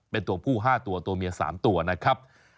เป็นตัวผู้๕ตัวตัวเมีย๓ตัวนะครับ